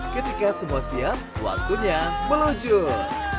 ketika semua siap waktunya meluncur